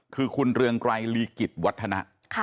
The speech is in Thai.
คือคุณเรืองไกรลีกิจวัฒนะ